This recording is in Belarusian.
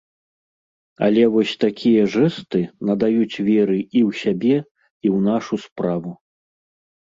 Але вось такія жэсты надаюць веры і ў сябе, і ў нашу справу.